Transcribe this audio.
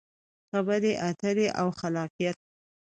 خبرې اترې او خلاقیت: